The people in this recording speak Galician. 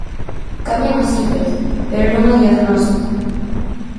Cambian as cifras, pero non a diagnose.